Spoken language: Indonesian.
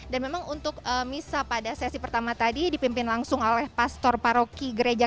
dan memang untuk misa pada sesi pertama tadi dipimpin langsung oleh pastor paroki gereja